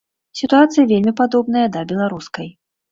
Сітуацыя вельмі падобная да беларускай.